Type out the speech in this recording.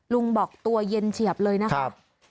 ลุงบอกตัวเย็นเฉียบเลยนะคะ